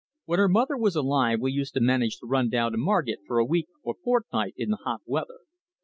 When her mother was alive we used to manage to run down to Margit for a week or fortnight in the hot weather.